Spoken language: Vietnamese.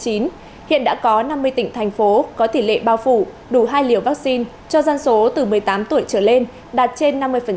hiện đã có năm mươi tỉnh thành phố có tỷ lệ bao phủ đủ hai liều vaccine cho dân số từ một mươi tám tuổi trở lên đạt trên năm mươi